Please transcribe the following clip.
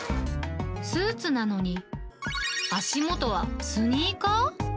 スーツなのに足元はスニーカー？